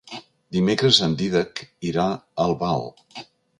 Dimecres en Dídac irà a Albal.